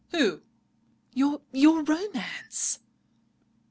"Who?" "Your—your romance!"